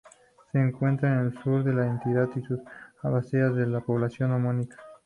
Se encuentra al sur de la entidad y su cabecera es la población homónima.